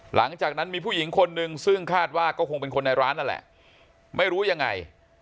หลังจากนั้นมีผู้หญิงคนนึงซึ่งคาดว่าก็คงเป็นคนในร้านนั่นแหละไม่รู้ยังไง